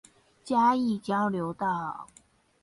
嘉義交流道